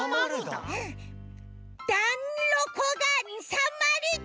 「だんろこがんさまるだ」！